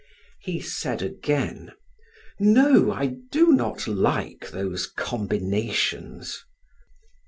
He said again: "No, I do not like those combinations."